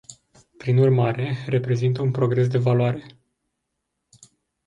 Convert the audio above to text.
Prin urmare, reprezintă un progres de valoare.